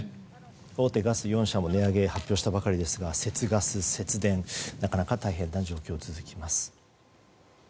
大手ガス４社も値上げを発表したばかりですが節ガス、節電がなかなか大変な状況が続きます。